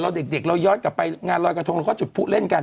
เด็กเราย้อนกลับไปงานรอยกระทงเราก็จุดผู้เล่นกัน